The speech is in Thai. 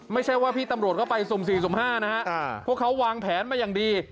ไม่ใช่ว่าพี่ตำรวจก็ไปสูมสี่สูมห้านะครับพวกเขาวางแผนมาอย่างดี